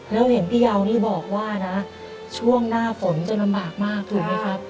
แล้วเห็นพี่เยานี่บอกว่านะช่วงหน้าฝนจะลำบากมากถูกไหมครับ